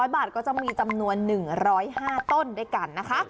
๐บาทก็จะมีจำนวน๑๐๕ต้นด้วยกันนะคะ